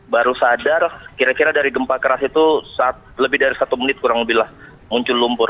baru sadar kira kira dari gempa keras itu lebih dari satu menit kurang lebih lah muncul lumpur